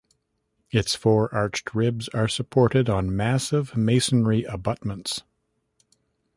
Its four arched ribs are supported on massive masonry abutments.